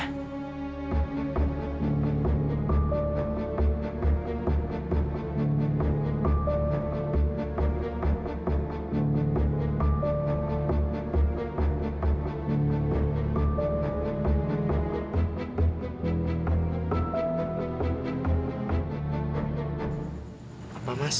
gue lagi pelan pelan